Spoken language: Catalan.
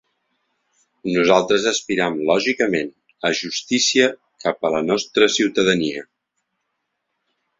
Nosaltres aspiram lògicament a justícia cap a la nostra ciutadania.